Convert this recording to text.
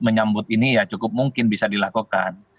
menyambut ini ya cukup mungkin bisa dilakukan